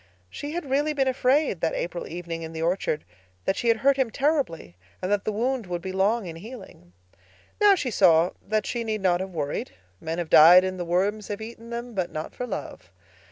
She had really been afraid, that April evening in the orchard, that she had hurt him terribly and that the wound would be long in healing. Now she saw that she need not have worried. Men have died and the worms have eaten them but not for love.